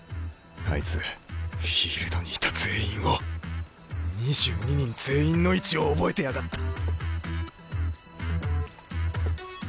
あいつフィールドにいた全員を２２人全員の位置を覚えてやがった！